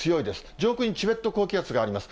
上空にチベット高気圧があります。